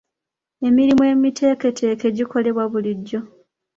Emirimu emiteeketeeke gikolebwa bulijjo.